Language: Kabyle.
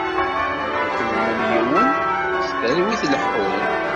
Dduklen am yiwen, s talwit leḥḥun.